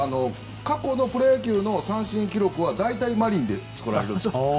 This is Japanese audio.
過去のプロ野球の三振記録は大体、マリンで作られるんです。